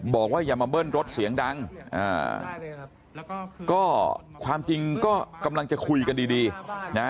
บอกว่าอย่ามาเมิ้นรถเสียงดังก็ความจริงก็กำลังจะคุยกันดีนะ